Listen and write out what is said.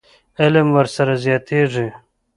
علم ورسره زیاتېږي.